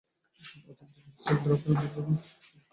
ঐতিহ্যবাহী চেক দ্রব্যের মধ্যে আছে সূক্ষ্ম স্ফটিক এবং বিয়ার।